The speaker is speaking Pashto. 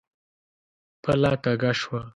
پله کږه شوه.